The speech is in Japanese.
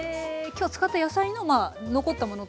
今日使った野菜のまあ残ったものというか。